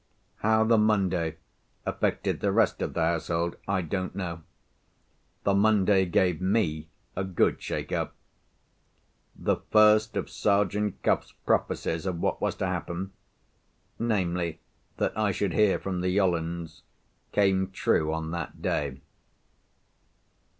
How the Monday affected the rest of the household I don't know. The Monday gave me a good shake up. The first of Sergeant Cuff's prophecies of what was to happen—namely, that I should hear from the Yollands—came true on that day.